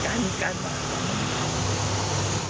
กลายมีกลายมีกลาย